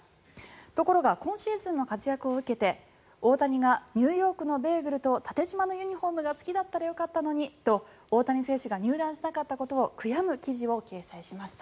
ところが今シーズンの活躍を受けて大谷がニューヨークのベーグルと縦じまのユニホームが好きだったらよかったのにと大谷選手が入団したかったことを悔やむ記事を掲載しました。